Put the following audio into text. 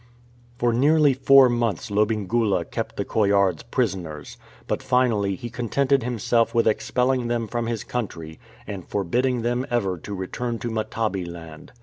For nearly four months Lobengula kept the Coillards prisoners, but finally he contented himself with expelling them from his country, and forbidding them ever to re turn to Matabeleland.